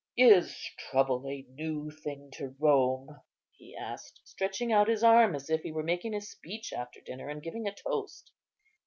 Is trouble a new thing to Rome?" he asked, stretching out his arm, as if he were making a speech after dinner, and giving a toast.